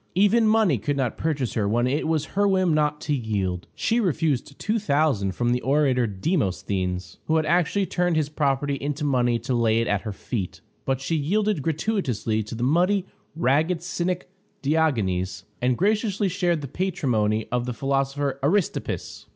Even money could not purchase her when it was her whim not to yield. She refused $2000 from the orator Demosthenes, who had actually turned his property into money to lay it at her feet; but she yielded gratuitously to the muddy, ragged cynic Diogenes, and graciously shared the patrimony of the philosopher Aristippus.